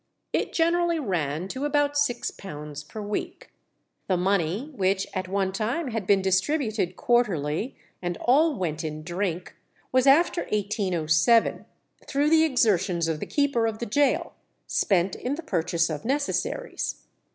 It generally ran to about six pounds per week. The money, which at one time had been distributed quarterly, and all went in drink, was after 1807, through the exertions of the keeper of the gaol, spent in the purchase of necessaries.